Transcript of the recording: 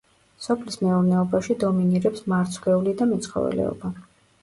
სოფლის მეურნეობაში დომინირებს მარცვლეული და მეცხოველეობა.